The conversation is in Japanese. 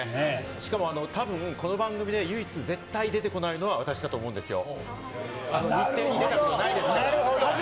しかも、たぶん、この番組で唯一絶対出てこないのは、私だと思うんですよ。